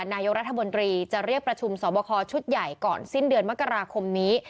นายกรัฐมนตรีจะเรียกประชุมสอบคอชุดใหญ่ก่อนสิ้นเดือนมกราคมนี้